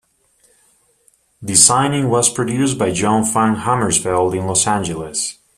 Designing was produced by John Van Hamersveld in Los Angeles.